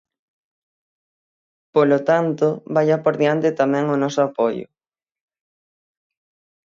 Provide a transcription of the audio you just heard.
Polo tanto, vaia por diante tamén o noso apoio.